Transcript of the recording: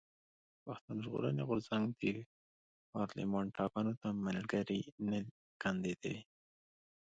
پښتون ژغورني غورځنګ د پارلېمان ټاکنو ته ملګري نه کانديدوي.